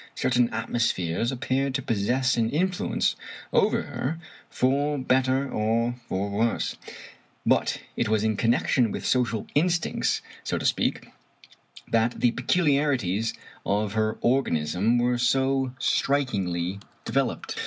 Certain atmospheres ap peared to possess an influence over her for better or for worse; but it was in connection with social instincts, so to speak, that the peculiarities of her organism were so strikingly developed.